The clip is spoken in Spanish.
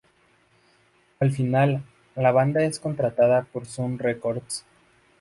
Al final, la banda es contratada por Sun Records.